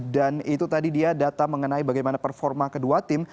dan itu tadi dia data mengenai bagaimana performa kedua tim